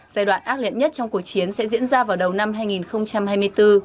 giai đoạn ác liệt nhất trong cuộc chiến sẽ diễn ra vào đầu năm hai nghìn hai mươi bốn